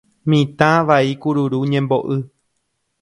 Mitã vai kururu ñembo'y.